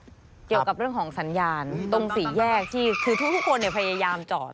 เกี่ยวกับเรื่องของสัญญาณตรงสี่แยกที่คือทุกคนเนี่ยพยายามจอด